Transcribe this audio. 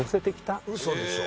ウソでしょ。